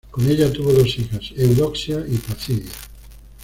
Con ella tuvo dos hijas, Eudoxia y Placidia.